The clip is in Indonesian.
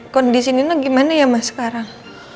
kondisi nino gimana ya mas sekarang